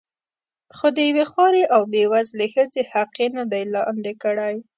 خو د یوې خوارې او بې وزلې ښځې حق یې نه دی لاندې کړی.